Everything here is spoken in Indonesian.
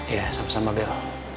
ya sama sama bel